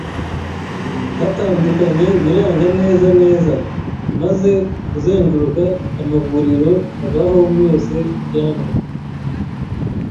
hatandukanye biranga neza neza, maze kuzenguruka amavuriro abaho yose byanga